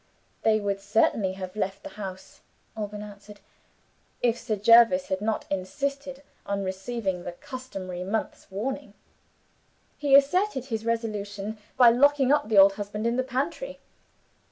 "They would certainly have left the house," Alban answered, "if Sir Jervis had not insisted on receiving the customary month's warning. He asserted his resolution by locking up the old husband in the pantry.